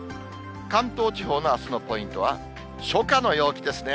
関東地方のあすのポイントは、初夏の陽気ですね。